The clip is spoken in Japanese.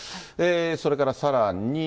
それからさらに。